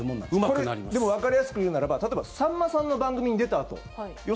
これ、でもわかりやすく言うならば例えばさんまさんの番組に出たあとよ